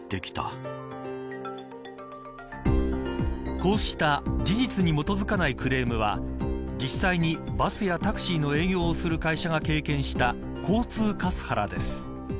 こうした事実に基づかないクレームは実際にバスやタクシーの営業をする会社が経験した交通カスハラです。